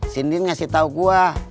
si indien ngasih tau gua